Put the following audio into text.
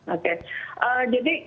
oke jadi sekarang kita sudah di sini ya